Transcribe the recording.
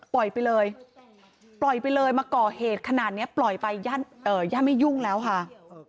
ปล่อยไปเลยปล่อยไปเลยมาก่อเหตุขนาดนี้ปล่อยไปย่าไม่ยุ่งแล้วค่ะ